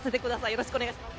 よろしくお願いします。